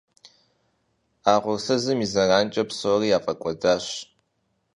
А угъурсызым и зэранкӏэ псори яфӏэкӏуэдащ.